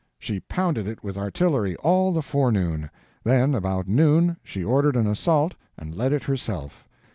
She pounded it with artillery all the forenoon, then about noon she ordered an assault and led it herself.